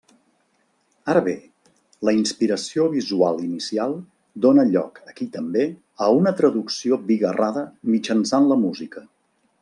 Ara bé, la inspiració visual inicial dóna lloc aquí també a una traducció bigarrada mitjançant la música.